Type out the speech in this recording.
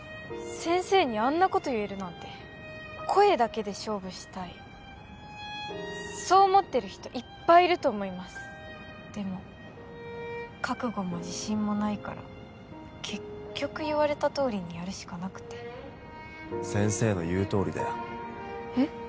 先生にあんなこと言えるなんて声だけで勝負したいそう思ってる人いっぱいいると思いますでも覚悟も自信もないから結局言われたとおりにやるしかなくて先生の言うとおりだよえっ？